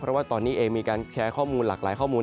เพราะว่าตอนนี้เองมีการแชร์ข้อมูลหลากหลายข้อมูล